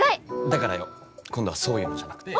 だからよ。今度はそういうのじゃなくて。